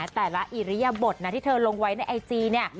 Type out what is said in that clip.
แต่ละอิริยบทนะที่เธอลงไว้ในไอจีเนี่ย